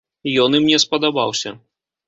Ён ім не спадабаўся.